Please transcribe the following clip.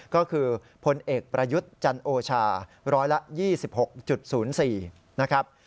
ก็คือพลเอกประยุทธ์จันโอชาร้อยละ๒๖๐๔นะครับ